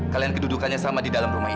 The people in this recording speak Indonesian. kalian kedudukannya sama di dalam rumah ini